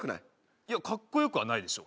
いやかっこよくはないでしょう